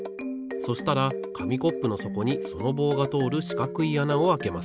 そしたらかみコップのそこにその棒がとおるしかくいあなをあけます。